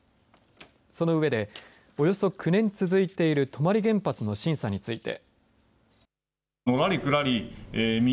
その上でおよそ９年続いている泊原発の審査について。